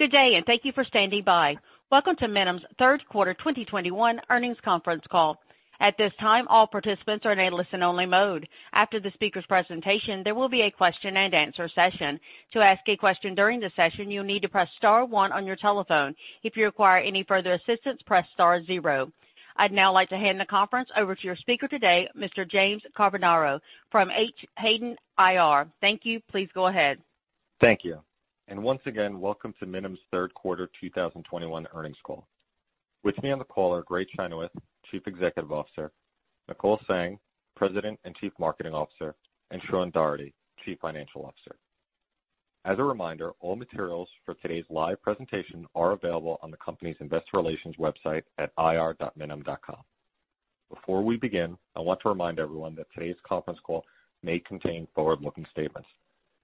Good day, and thank you for standing by. Welcome to Minim's Q3 2021 Earnings Conference Call. At this time, all participants are in a listen-only mode. After the speaker's presentation, there will be a question-and-answer session. To ask a question during the session, you'll need to press star one on your telephone. If you require any further assistance, press star zero. I'd now like to hand the conference over to your speaker today, Mr. James Carbonara from Hayden IR. Thank you. Please go ahead. Thank you. Once again, welcome to Minim's Q3 2021 Earnings Call. With me on the call are Gray Chenoweth, Chief Executive Officer, Nicole Zheng, President and Chief Marketing Officer, and Sean Doherty, Chief Financial Officer. As a reminder, all materials for today's live presentation are available on the company's investor relations website at ir.minim.com. Before we begin, I want to remind everyone that today's Conference Call may contain forward-looking statements.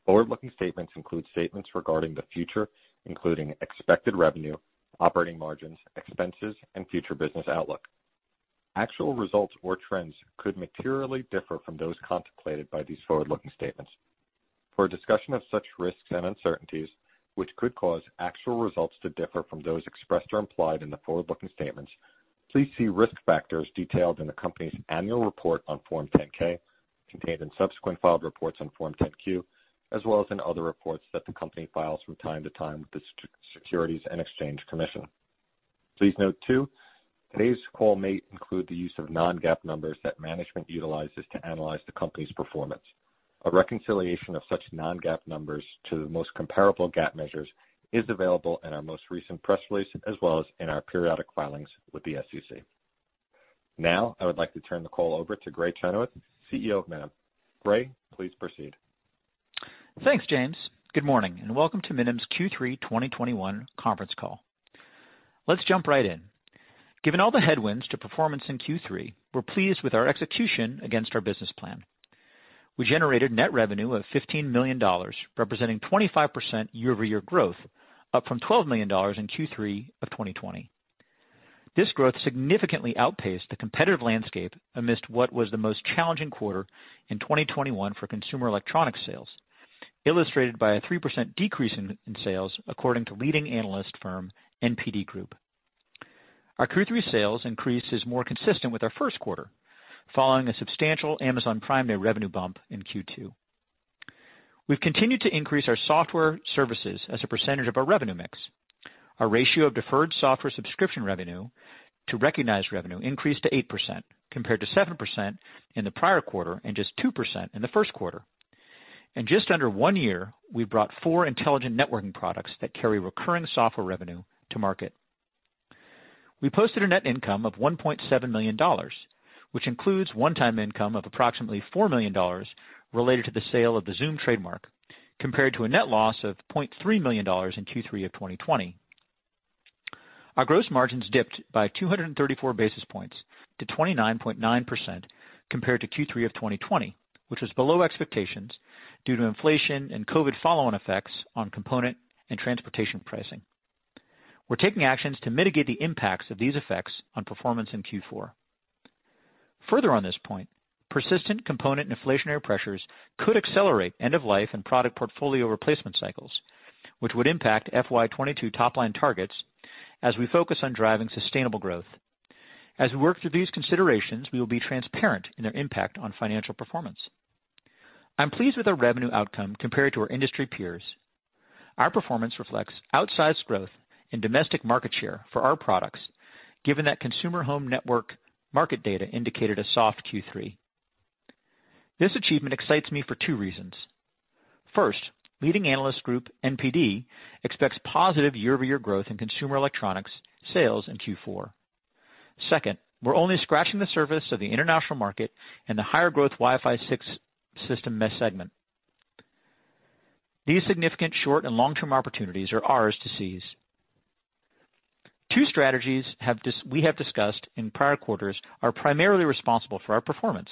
Forward-looking statements include statements regarding the future, including expected revenue, operating margins, expenses, and future business outlook. Actual results or trends could materially differ from those contemplated by these forward-looking statements. For a discussion of such risks and uncertainties, which could cause actual results to differ from those expressed or implied in the forward-looking statements, please see risk factors detailed in the company's annual report on Form 10-K, contained in subsequent filed reports on Form 10-Q, as well as in other reports that the company files from time to time with the Securities and Exchange Commission. Please note, too, today's call may include the use of non-GAAP numbers that management utilizes to analyze the company's performance. A reconciliation of such non-GAAP numbers to the most comparable GAAP measures is available in our most recent press release, as well as in our periodic filings with the SEC. Now, I would like to turn the call over to Gray Chenoweth, CEO of Minim. Gray, please proceed. Thanks, James. Good morning, and welcome to Minim's Q3 2021 Conference Call. Let's jump right in. Given all the headwinds to performance in Q3, we're pleased with our execution against our business plan. We generated net revenue of $15 million, representing 25% year-over-year growth, up from $12 million in Q3 of 2020. This growth significantly outpaced the competitive landscape amidst what was the most challenging quarter in 2021 for consumer electronic sales, illustrated by a 3% decrease in sales according to leading analyst firm NPD Group. Our Q3 sales increase is more consistent with our Q1, following a substantial Amazon Prime Day revenue bump in Q2. We've continued to increase our software services as a percentage of our revenue mix. Our ratio of deferred software subscription revenue to recognized revenue increased to 8%, compared to 7% in the prior quarter and just 2% in Q1. In just under 1-year, we've brought 4 intelligent networking products that carry recurring software revenue to market. We posted a net income of $1.7 million, which includes one-time income of approximately $4 million related to the sale of the Zoom trademark, compared to a net loss of $0.3 million in Q3 of 2020. Our gross margins dipped by 234 basis points to 29.9% compared to Q3 of 2020, which was below expectations due to inflation and COVID follow-on effects on component and transportation pricing. We're taking actions to mitigate the impacts of these effects on performance in Q4. Further on this point, persistent component inflationary pressures could accelerate end of life and product portfolio replacement cycles, which would impact FY 2022 top-line targets as we focus on driving sustainable growth. As we work through these considerations, we will be transparent in their impact on financial performance. I'm pleased with our revenue outcome compared to our industry peers. Our performance reflects outsized growth in domestic market share for our products, given that consumer home network market data indicated a soft Q3. This achievement excites me for two reasons. First, leading analyst group NPD expects positive year-over-year growth in consumer electronics sales in Q4. Second, we're only scratching the surface of the international market and the higher growth Wi-Fi 6 system mesh segment. These significant short and long-term opportunities are ours to seize. Two strategies we have discussed in prior quarters are primarily responsible for our performance.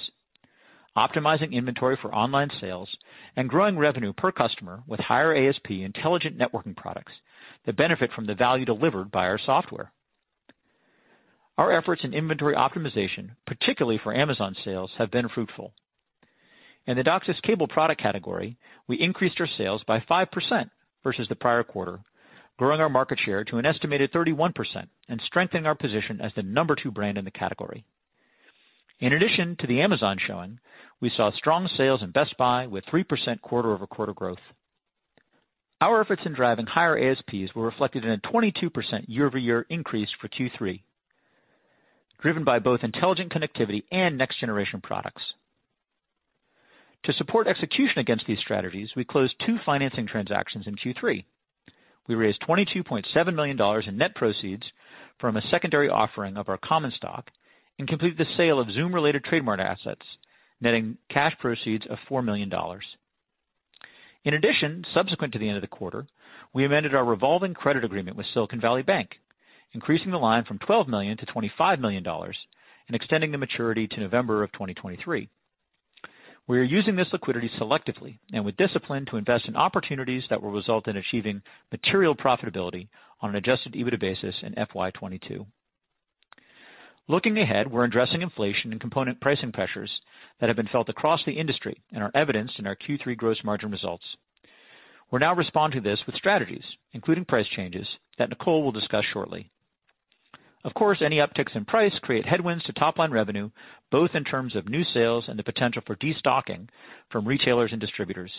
Optimizing inventory for online sales and growing revenue per customer with higher ASP intelligent networking products that benefit from the value delivered by our software. Our efforts in inventory optimization, particularly for Amazon sales, have been fruitful. In the DOCSIS cable product category, we increased our sales by 5% versus the prior quarter, growing our market share to an estimated 31% and strengthening our position as the number two brand in the category. In addition to the Amazon showing, we saw strong sales in Best Buy with 3% quarter-over-quarter growth. Our efforts in driving higher ASPs were reflected in a 22% year-over-year increase for Q3, driven by both intelligent connectivity and next generation products. To support execution against these strategies, we closed two financing transactions in Q3. We raised $22.7 million in net proceeds from a secondary offering of our common stock and completed the sale of Zoom-related trademark assets, netting cash proceeds of $4 million. In addition, subsequent to the end of the quarter, we amended our revolving credit agreement with Silicon Valley Bank, increasing the line from $12 million to $25 million and extending the maturity to November 2023. We are using this liquidity selectively and with discipline to invest in opportunities that will result in achieving material profitability on an adjusted EBITDA basis in FY 2022. Looking ahead, we're addressing inflation and component pricing pressures that have been felt across the industry and are evidenced in our Q3 gross margin results. We now respond to this with strategies, including price changes that Nicole will discuss shortly. Of course, any upticks in price create headwinds to top-line revenue, both in terms of new sales and the potential for destocking from retailers and distributors.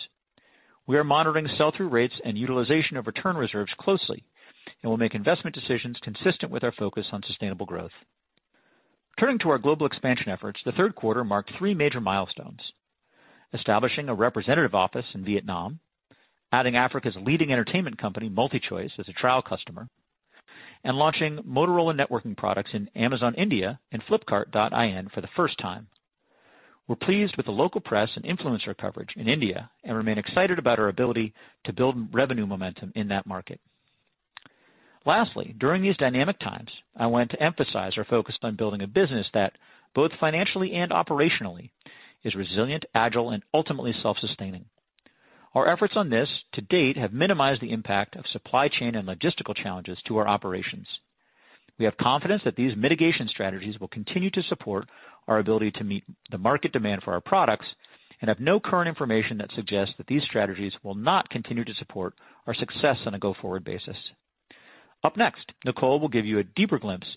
We are monitoring sell-through rates and utilization of return reserves closely, and we'll make investment decisions consistent with our focus on sustainable growth. Turning to our global expansion efforts. Q3 marked three major milestones. Establishing a representative office in Vietnam, adding Africa's leading entertainment company, MultiChoice, as a trial customer, and launching Motorola networking products in Amazon India and Flipkart for the first time. We're pleased with the local press and influencer coverage in India, and remain excited about our ability to build revenue momentum in that market. Lastly, during these dynamic times, I want to emphasize our focus on building a business that both financially and operationally is resilient, agile, and ultimately self-sustaining. Our efforts on this to date have minimized the impact of supply chain and logistical challenges to our operations. We have confidence that these mitigation strategies will continue to support our ability to meet the market demand for our products and have no current information that suggests that these strategies will not continue to support our success on a go-forward basis. Up next, Nicole will give you a deeper glimpse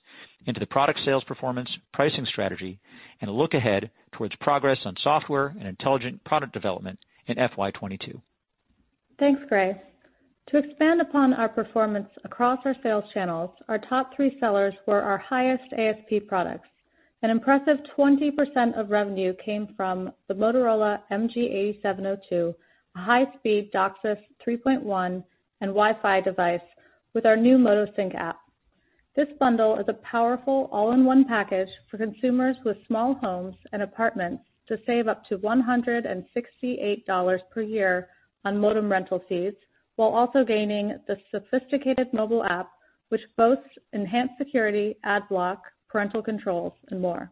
into the product sales performance pricing strategy and a look ahead towards progress on software and intelligent product development in FY 2022. Thanks, Gray Chenoweth. To expand upon our performance across our sales channels, our top three sellers were our highest ASP products. An impressive 20% of revenue came from the Motorola MG8702, a high-speed DOCSIS 3.1 and Wi-Fi device with our new Motosync app. This bundle is a powerful all-in-one package for consumers with small homes and apartments to save up to $168 per year on modem rental fees, while also gaining the sophisticated mobile app, which boasts enhanced security, ad block, parental controls, and more.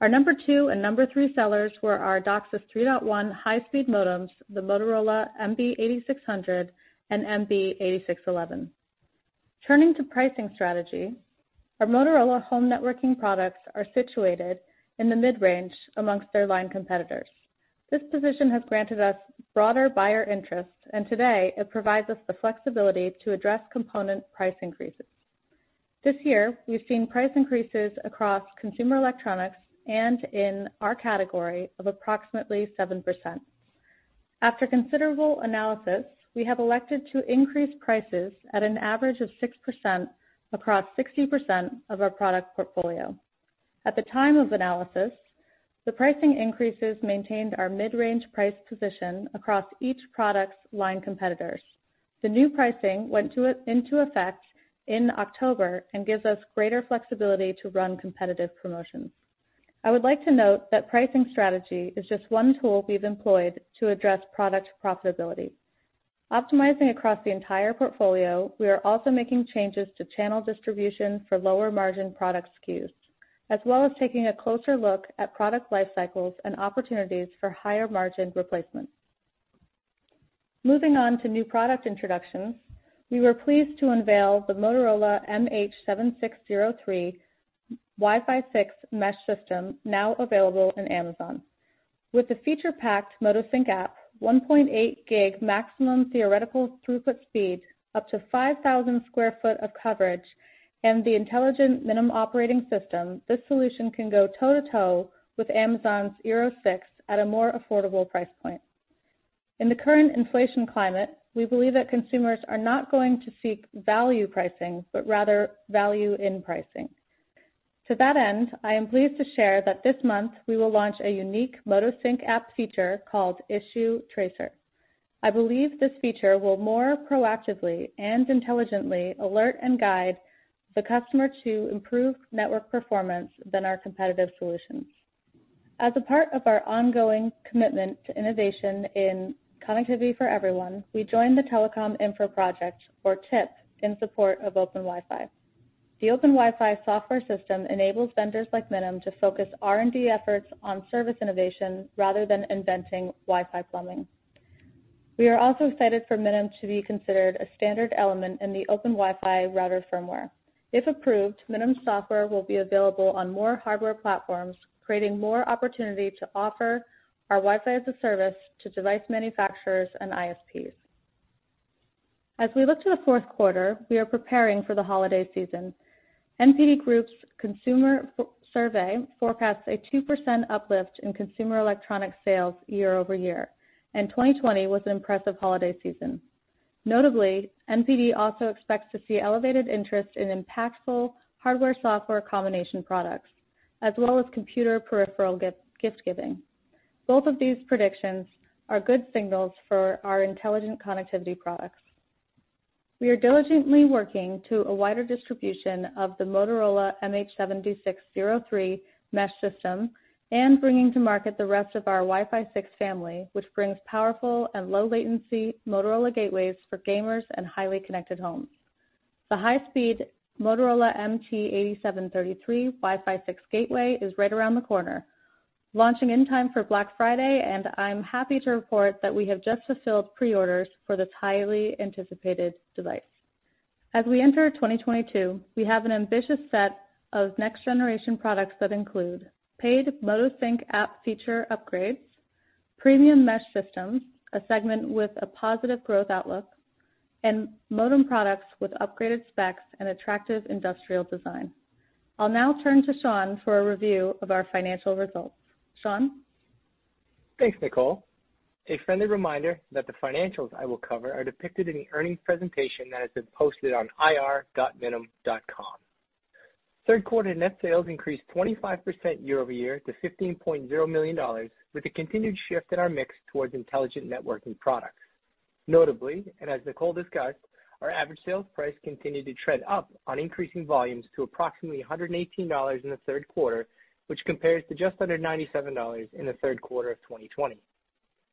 Our number two and number three sellers were our DOCSIS 3.1 high-speed modems, the Motorola MB8600 and MB8611. Turning to pricing strategy, our Motorola home networking products are situated in the mid-range amongst their line competitors. This position has granted us broader buyer interest, and today it provides us the flexibility to address component price increases. This year, we've seen price increases across consumer electronics and in our category of approximately 7%. After considerable analysis, we have elected to increase prices at an average of 6% across 60% of our product portfolio. At the time of analysis, the pricing increases maintained our mid-range price position across each product's line competitors. The new pricing went into effect in October and gives us greater flexibility to run competitive promotions. I would like to note that pricing strategy is just one tool we've employed to address product profitability. Optimizing across the entire portfolio, we are also making changes to channel distribution for lower margin product SKUs, as well as taking a closer look at product life cycles and opportunities for higher margin replacements. Moving on to new product introductions. We were pleased to unveil the Motorola MH7603 Wi-Fi 6 mesh system, now available in Amazon. With the feature-packed Motosync app, 1.8 gig maximum theoretical throughput speed, up to 5,000 sq ft of coverage, and the intelligent Minim operating system, this solution can go toe-to-toe with Amazon's Eero 6 at a more affordable price point. In the current inflation climate, we believe that consumers are not going to seek value pricing, but rather value in pricing. To that end, I am pleased to share that this month we will launch a unique Motosync app feature called Issue Tracer. I believe this feature will more proactively and intelligently alert and guide the customer to improve network performance than our competitive solutions. As a part of our ongoing commitment to innovation in connectivity for everyone, we joined the Telecom Infra Project, or TIP, in support of OpenWiFi. The OpenWiFi software system enables vendors like Minim to focus R&D efforts on service innovation rather than inventing Wi-Fi plumbing. We are also excited for Minim to be considered a standard element in the OpenWiFi router firmware. If approved, Minim software will be available on more hardware platforms, creating more opportunity to offer our Wi-Fi as a service to device manufacturers and ISPs. As we look to Q4, we are preparing for the holiday season. NPD Group's consumer survey forecasts a 2% uplift in consumer electronic sales year-over-year, and 2020 was an impressive holiday season. Notably, NPD also expects to see elevated interest in impactful hardware, software combination products, as well as computer peripheral gift giving. Both of these predictions are good signals for our intelligent connectivity products. We are diligently working to a wider distribution of the Motorola MH7603 mesh system and bringing to market the rest of our Wi-Fi 6 family, which brings powerful and low latency Motorola gateways for gamers and highly connected homes. The high-speed Motorola MT8733 Wi-Fi 6 gateway is right around the corner. Launching in time for Black Friday, and I'm happy to report that we have just fulfilled pre-orders for this highly anticipated device. As we enter 2022, we have an ambitious set of next-generation products that include paid MotoSync app feature upgrades, premium mesh systems, a segment with a positive growth outlook, and modem products with upgraded specs and attractive industrial design. I'll now turn to Sean for a review of our financial results. Sean? Thanks, Nicole. A friendly reminder that the financials I will cover are depicted in the earnings presentation that has been posted on ir.minim.com. Q3 net sales increased 25% year-over-year to $15.0 million, with a continued shift in our mix towards intelligent networking products. Notably, and as Nicole discussed, our average sales price continued to trend up on increasing volumes to approximately $118 in the Q3, which compares to just under $97 in the Q3 of 2020.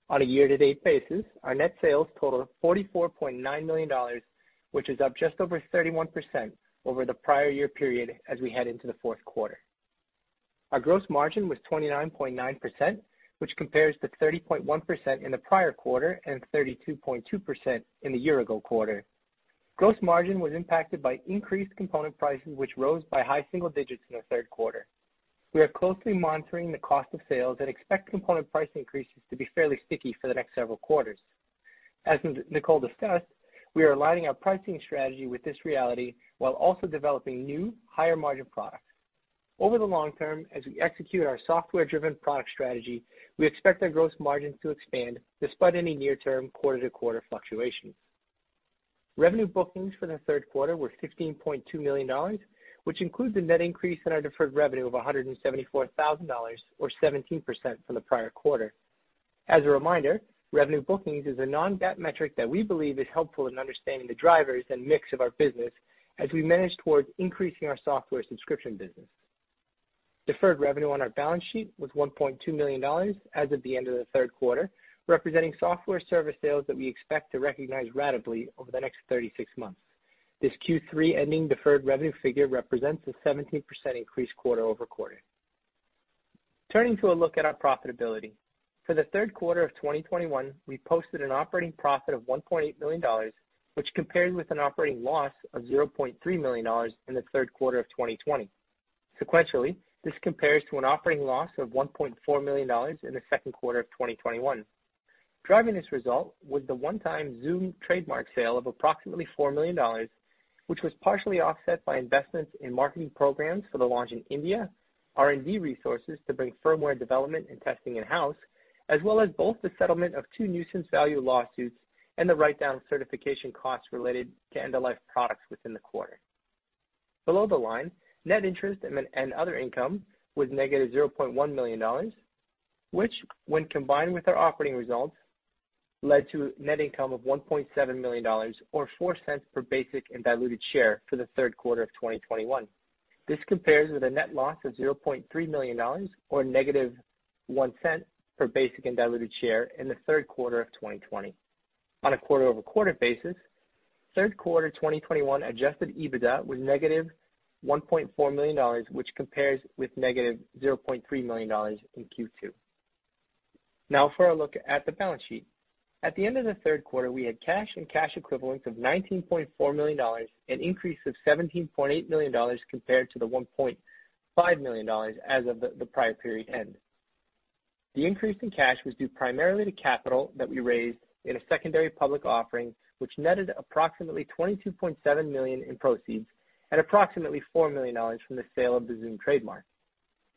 On a year-to-date basis, our net sales total $44.9 million, which is up just over 31% over the prior year period as we head into Q4. Our gross margin was 29.9%, which compares to 30.1% in the prior quarter and 32.2% in the year-ago quarter. Gross margin was impacted by increased component prices, which rose by high single-digit in the Q3. We are closely monitoring the cost of sales and expect component price increases to be fairly sticky for the next several quarters. As Nicole discussed, we are aligning our pricing strategy with this reality while also developing new higher margin products. Over the long-term, as we execute our software-driven product strategy, we expect our gross margin to expand despite any near-term quarter-to-quarter fluctuations. Revenue bookings for the Q3 were $15.2 million, which includes a net increase in our deferred revenue of $174,000 or 17% from the prior quarter. As a reminder, revenue bookings is a non-GAAP metric that we believe is helpful in understanding the drivers and mix of our business as we manage towards increasing our software subscription business. Deferred revenue on our balance sheet was $1.2 million as of the end of the Q3, representing software service sales that we expect to recognize ratably over the next 36 months. This Q3 ending deferred revenue figure represents a 17% increase quarter-over-quarter. Turning to a look at our profitability. For the Q3 of 2021, we posted an operating profit of $1.8 million, which compares with an operating loss of $0.3 million in the Q3 of 2020. Sequentially, this compares to an operating loss of $1.4 million in Q2 of 2021. Driving this result was the one-time Zoom trademark sale of approximately $4 million, which was partially offset by investments in marketing programs for the launch in India, R&D resources to bring firmware development and testing in-house, as well as both the settlement of two nuisance value lawsuits and the write-down certification costs-related to end-of-life products within the quarter. Below the line, net interest and other income was negative $0.1 million, which when combined with our operating results, led to net income of $1.7 million or $0.04 per basic and diluted share for the Q3 of 2021. This compares with a net loss of $0.3 million or negative $0.01 per basic and diluted share in the Q3 of 2020. On a quarter-over-quarter basis, Q3 2021 adjusted EBITDA was negative $1.4 million, which compares with negative $0.3 million in Q2. Now for a look at the balance sheet. At the end of the Q3, we had cash and cash equivalents of $19.4 million, an increase of $17.8 million compared to the $1.5 million as of the prior period end. The increase in cash was due primarily to capital that we raised in a secondary public offering, which netted approximately $22.7 million in proceeds at approximately $4 million from the sale of the Zoom trademark.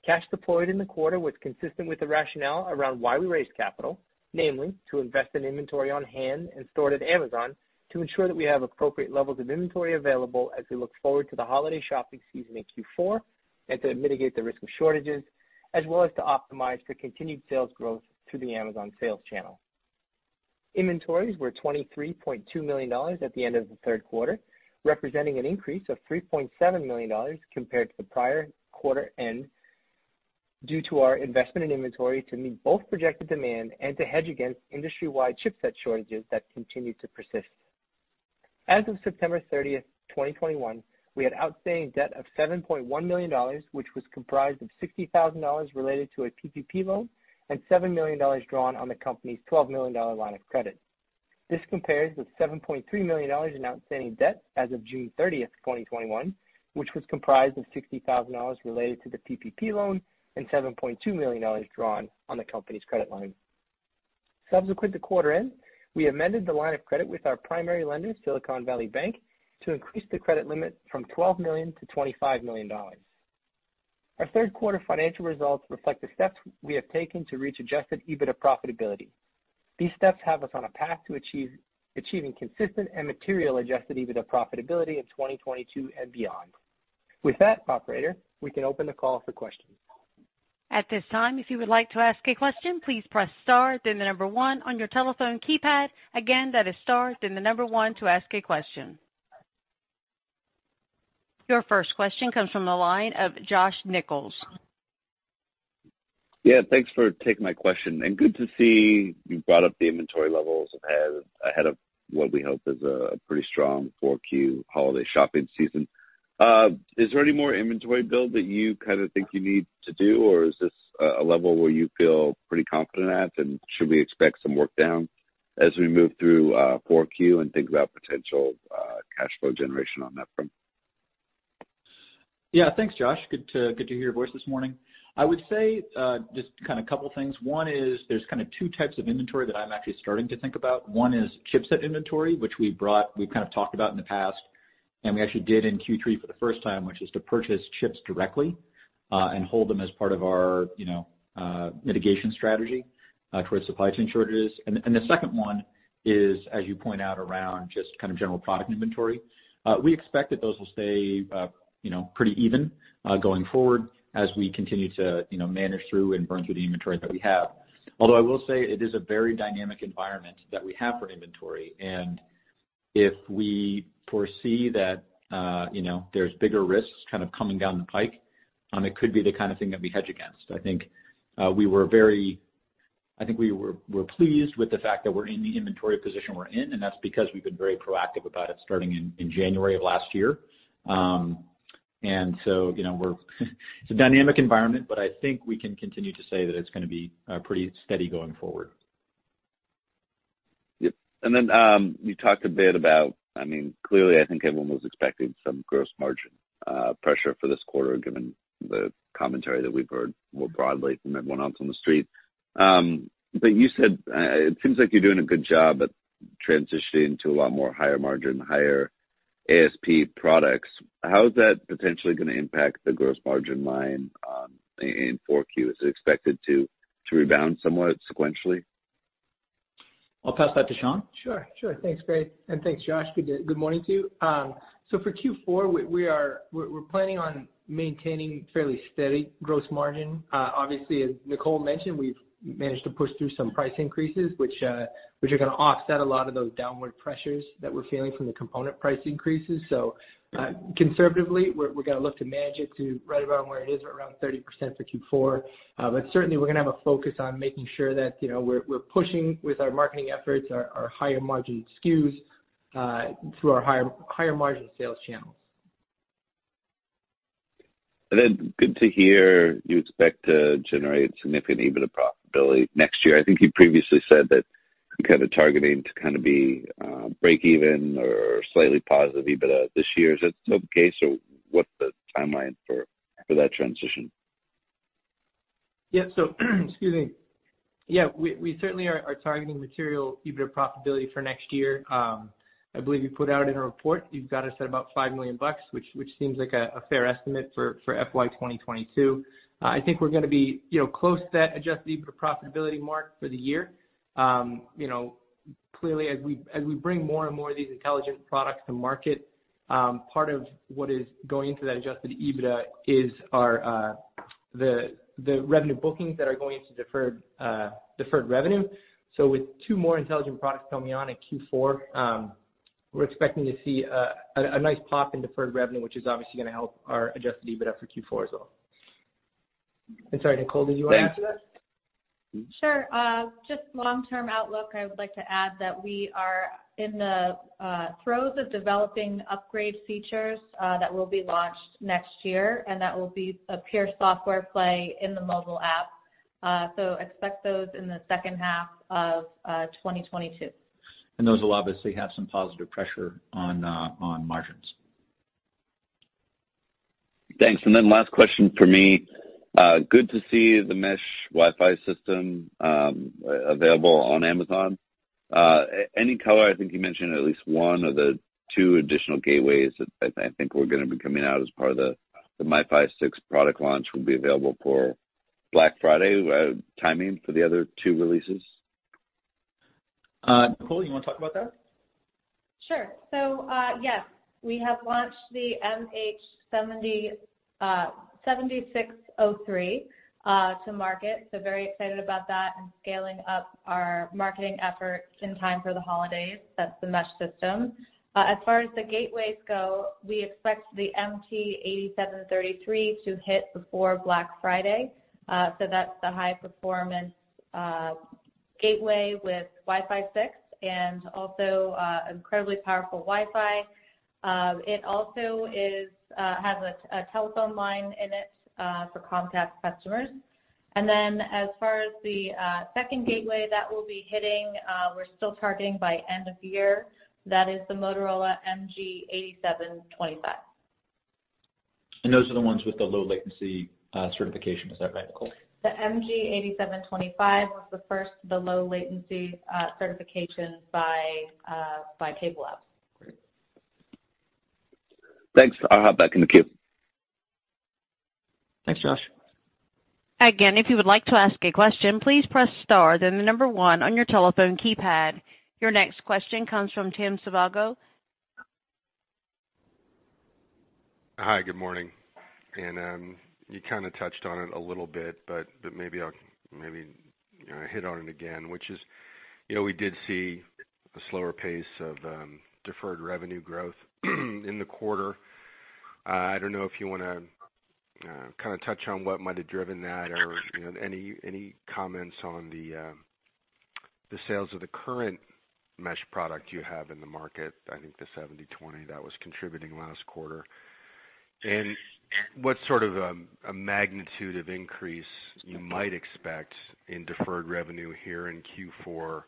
Cash deployed in the quarter was consistent with the rationale around why we raised capital, namely to invest in inventory on hand and stored at Amazon to ensure that we have appropriate levels of inventory available as we look forward to the holiday shopping season in Q4 and to mitigate the risk of shortages, as well as to optimize the continued sales growth through the Amazon sales channel. Inventories were $23.2 million at the end of the Q3, representing an increase of $3.7 million compared to the prior quarter end due to our investment in inventory to meet both projected demand and to hedge against industry-wide chipset shortages that continue to persist. As of September 30, 2021, we had outstanding debt of $7.1 million, which was comprised of $60,000 related to a PPP loan and $7 million drawn on the company's $12 million line of credit. This compares with $7.3 million in outstanding debt as of June 30, 2021, which was comprised of $60,000 related to the PPP loan and $7.2 million drawn on the company's credit line. Subsequent to quarter end, we amended the line of credit with our primary lender, Silicon Valley Bank, to increase the credit limit from $12 million to $25 million. Our Q3 financial results reflect the steps we have taken to reach adjusted EBITDA profitability. These steps have us on a path to achieving consistent and material adjusted EBITDA profitability in 2022 and beyond. With that, operator, we can open the call for questions. At this time, if you would like to ask a question, please press star then the number one on your telephone keypad. Again, that is star then the number one to ask a question. Your first question comes from the line of Josh Nichols. Yeah, thanks for taking my question, and good to see you brought up the inventory levels ahead of what we hope is a pretty strong 4Q holiday shopping season. Is there any more inventory build that you kind of think you need to do? Or is this a level where you feel pretty confident at, and should we expect some drawdown as we move through 4Q and think about potential cash flow generation on that front? Yeah. Thanks, Josh. Good to hear your voice this morning. I would say just kind of couple things. One is there's kind of two types of inventory that I'm actually starting to think about. One is chipset inventory, which we've kind of talked about in the past, and we actually did in Q3 for the first time, which is to purchase chips directly and hold them as part of our, you know, mitigation strategy towards supply chain shortages. And the second one is, as you point out around just kind of general product inventory. We expect that those will stay, you know, pretty even, going forward as we continue to, you know, manage through and burn through the inventory that we have. Although I will say it is a very dynamic environment that we have for inventory. If we foresee that, you know, there's bigger risks kind of coming down the pike, it could be the kind of thing that we hedge against. I think we were pleased with the fact that we're in the inventory position we're in, and that's because we've been very proactive about it starting in January of last year. You know, it's a dynamic environment, but I think we can continue to say that it's gonna be pretty steady going forward. You talked a bit about, I mean, clearly I think everyone was expecting some gross margin pressure for this quarter, given the commentary that we've heard more broadly from everyone else on the street. But you said it seems like you're doing a good job at transitioning to a lot more higher margin, higher ASP products. How is that potentially gonna impact the gross margin line in 4Q? Is it expected to rebound somewhat sequentially? I'll pass that to Sean. Sure. Thanks, Gray Chenoweth, and thanks, Josh. Good morning to you. We're planning on maintaining fairly steady gross margin. Obviously, as Nicole Zheng mentioned, we've managed to push through some price increases, which are gonna offset a lot of those downward pressures that we're feeling from the component price increases. Conservatively, we're gonna look to manage it to right around where it is, around 30% for Q4. Certainly we're gonna have a focus on making sure that, you know, we're pushing with our marketing efforts, our higher margin SKUs, through our higher margin sales channels. Good to hear you expect to generate significant EBITDA profitability next year. I think you previously said that you're kind of targeting to kind of be break even or slightly positive EBITDA this year. Is that still the case, or what's the timeline for that transition? We certainly are targeting material EBITDA profitability for next year. I believe you put out in a report, you've got us at about $5 million, which seems like a fair estimate for FY 2022. I think we're gonna be, you know, close to that adjusted EBITDA profitability mark for the year. You know, clearly as we bring more and more of these intelligent products to market, part of what is going into that adjusted EBITDA is the revenue bookings that are going into deferred revenue. With two more intelligent products coming on in Q4, we're expecting to see a nice pop in deferred revenue, which is obviously gonna help our adjusted EBITDA for Q4 as well. I'm sorry, Nicole, did you wanna add to that? Thanks. Mm-hmm. Sure. Just long-term outlook, I would like to add that we are in the throes of developing upgrade features that will be launched next year, and that will be a pure software play in the mobile app. Expect those in the second half of 2022. Those will obviously have some positive pressure on margins. Thanks. Last question for me. Good to see the mesh Wi-Fi system available on Amazon. Any color, I think you mentioned at least one of the two additional gateways that I think were gonna be coming out as part of the Wi-Fi 6 product launch will be available for Black Friday. Timing for the other two releases? Nicole, you wanna talk about that? Sure. Yes, we have launched the MH7603 to market, so very excited about that and scaling up our marketing efforts in time for the holidays. That's the mesh system. As far as the gateways go, we expect the MT8733 to hit before Black Friday. That's the high-performance gateway with Wi-Fi 6 and also incredibly powerful Wi-Fi. It also has a telephone line in it for Comcast customers. As far as the second gateway, that will be hitting, we're still targeting by end of year. That is the Motorola MG8725. Those are the ones with the low latency, certification. Is that right, Nicole? The MG8725 was the first, the low latency certification by CableLabs. Great. Thanks. I'll hop back in the queue. Thanks, Josh. Again if you could like to ask a question press 1 on your telephone keypad. Your next question comes from Tim Savageaux. Hi, good morning. You kinda touched on it a little bit, but maybe, you know, hit on it again, which is, you know, we did see a slower pace of deferred revenue growth in the quarter. I don't know if you wanna kinda touch on what might have driven that or, you know, any comments on the sales of the current mesh product you have in the market, I think the 70/20 that was contributing last quarter. What sort of a magnitude of increase you might expect in deferred revenue here in Q4,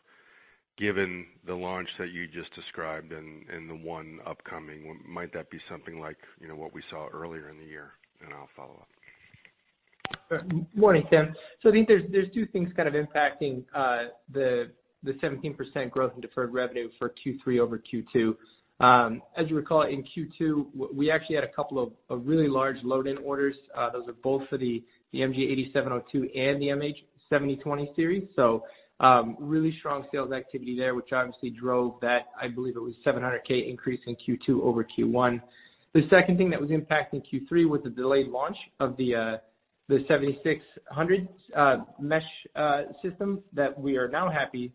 given the launch that you just described and the one upcoming. Might that be something like, you know, what we saw earlier in the year? I'll follow-up. Good morning, Tim. I think there's two things kind of impacting the 17% growth in deferred revenue for Q3 over Q2. As you recall, in Q2, we actually had a couple of really large load in orders. Those are both for the MG8702 and the MH7020 series. Really strong sales activity there, which obviously drove that, I believe it was $700K increase in Q2 over Q1. The second thing that was impacting Q3 was the delayed launch of the 7600 mesh systems that we are now happy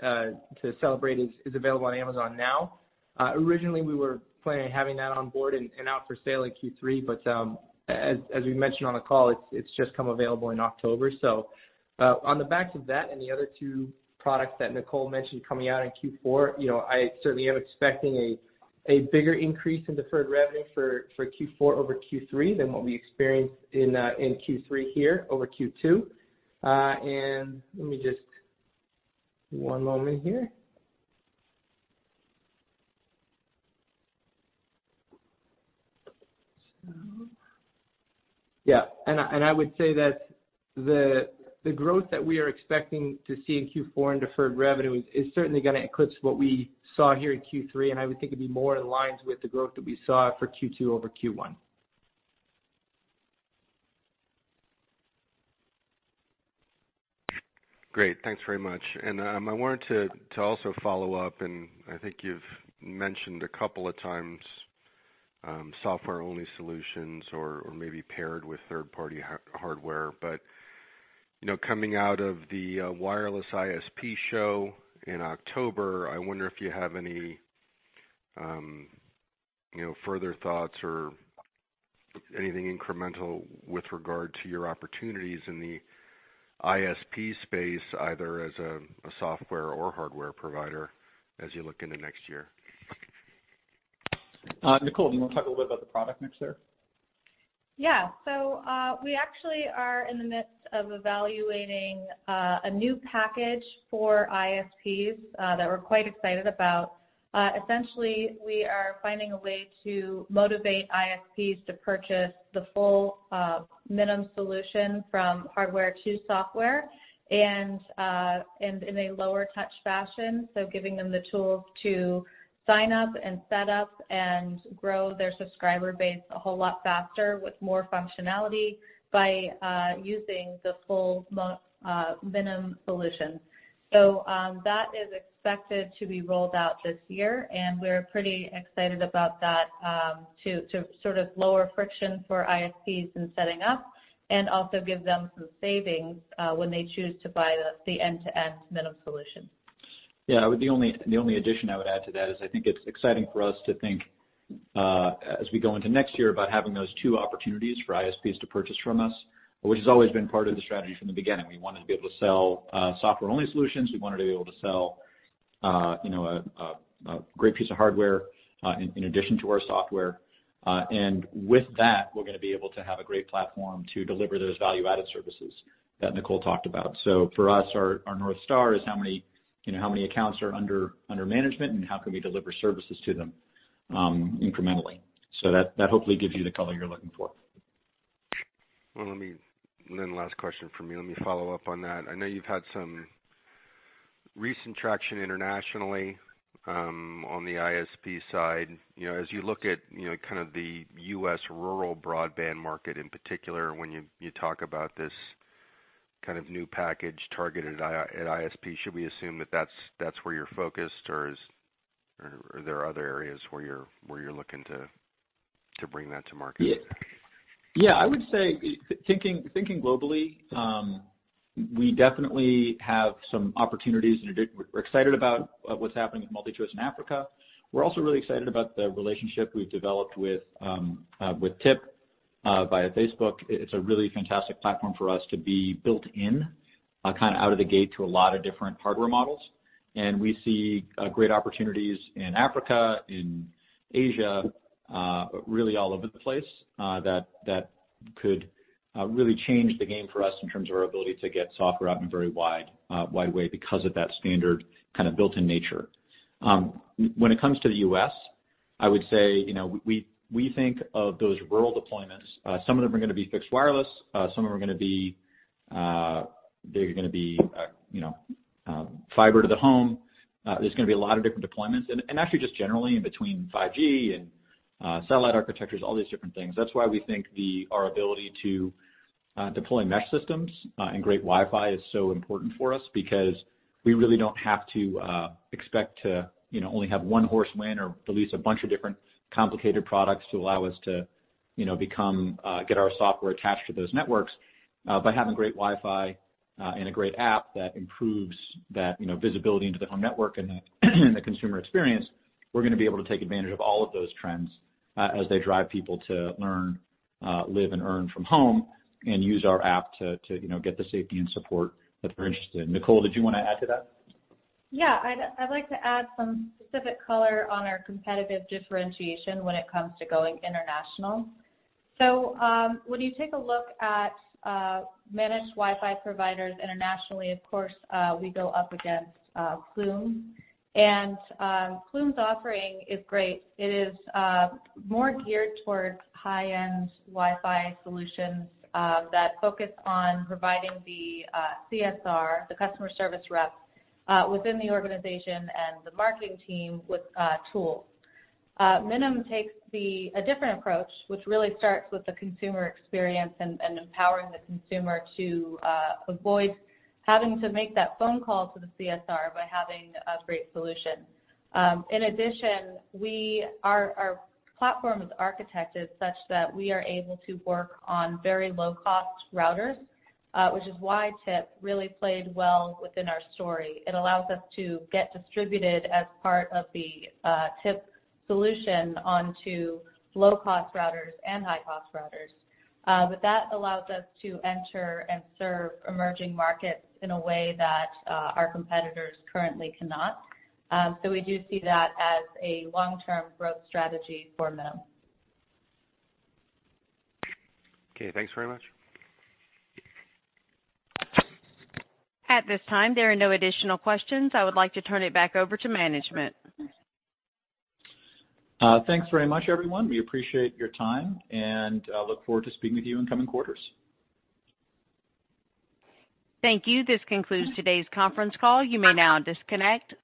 to celebrate is available on Amazon now. Originally, we were planning on having that on board and out for sale in Q3, but as we mentioned on the call, it's just come available in October. On the backs of that and the other two products that Nicole mentioned coming out in Q4, you know, I certainly am expecting a bigger increase in deferred revenue for Q4 over Q3 than what we experienced in Q3 here over Q2. I would say that the growth that we are expecting to see in Q4 in deferred revenue is certainly gonna eclipse what we saw here in Q3, and I would think it'd be more in line with the growth that we saw for Q2 over Q1. Great. Thanks very much. I wanted to also follow-up, and I think you've mentioned a couple of times, software-only solutions or maybe paired with third-party hardware. You know, coming out of the wireless ISP show in October, I wonder if you have any, you know, further thoughts or anything incremental with regard to your opportunities in the ISP space, either as a software or hardware provider as you look into next year. Nicole, do you wanna talk a little bit about the product mix there? Yeah. We actually are in the midst of evaluating a new package for ISPs that we're quite excited about. Essentially, we are finding a way to motivate ISPs to purchase the full Minim solution from hardware to software and in a lower touch fashion. Giving them the tools to sign up and set up and grow their subscriber base a whole lot faster with more functionality by using the full Minim solution. That is expected to be rolled out this year, and we're pretty excited about that, to sort of lower friction for ISPs in setting up and also give them some savings, when they choose to buy the end-to-end Minim solution. Yeah. The only addition I would add to that is I think it's exciting for us to think, as we go into next year, about having those two opportunities for ISPs to purchase from us, which has always been part of the strategy from the beginning. We wanted to be able to sell software-only solutions. We wanted to be able to sell, you know, a great piece of hardware, in addition to our software. With that, we're gonna be able to have a great platform to deliver those value-added services that Nicole talked about. For us, our North Star is how many, you know, how many accounts are under management, and how can we deliver services to them, incrementally. That hopefully gives you the color you're looking for. Well, last question from me. Let me follow-up on that. I know you've had some recent traction internationally on the ISP side. You know, as you look at, you know, kind of the U.S. rural broadband market in particular, when you talk about this kind of new package targeted at ISP, should we assume that that's where you're focused, or there are other areas where you're looking to bring that to market? Yeah. Yeah. I would say thinking globally, we definitely have some opportunities and we're excited about what's happening with MultiChoice in Africa. We're also really excited about the relationship we've developed with TIP via Facebook. It's a really fantastic platform for us to be built in kinda out of the gate to a lot of different hardware models. We see great opportunities in Africa, in Asia, really all over the place, that could really change the game for us in terms of our ability to get software out in a very wide way because of that standard kinda built-in nature. When it comes to the U.S., I would say, you know, we think of those rural deployments. Some of them are gonna be fixed wireless. Some of them are gonna be, they're gonna be, you know, fiber to the home. There's gonna be a lot of different deployments. Actually, just generally between 5G and satellite architectures, all these different things. That's why we think our ability to deploy mesh systems and great Wi-Fi is so important for us because we really don't have to expect to, you know, only have one horse win or release a bunch of different complicated products to allow us to, you know, become get our software attached to those networks by having great Wi-Fi and a great app that improves that, you know, visibility into the home network and the consumer experience. We're gonna be able to take advantage of all of those trends as they drive people to learn live and earn from home and use our app to, you know, get the safety and support that they're interested in. Nicole, did you wanna add to that? Yeah. I'd like to add some specific color on our competitive differentiation when it comes to going international. When you take a look at managed Wi-Fi providers internationally, of course we go up against Plume. Plume's offering is great. It is more geared towards high-end Wi-Fi solutions that focus on providing the CSR, the customer service rep, within the organization and the marketing team with tools. Minim takes a different approach, which really starts with the consumer experience and empowering the consumer to avoid having to make that phone call to the CSR by having a great solution. In addition, our platform is architected such that we are able to work on very low-cost routers, which is why TIP really played well within our story. It allows us to get distributed as part of the TIP solution onto low-cost routers and high-cost routers. That allows us to enter and serve emerging markets in a way that our competitors currently cannot. We do see that as a long-term growth strategy for Minim. Okay, thanks very much. At this time, there are no additional questions. I would like to turn it back over to management. Thanks very much, everyone. We appreciate your time, and look forward to speaking with you in coming quarters. Thank you. This concludes today's Conference Call. You may now disconnect.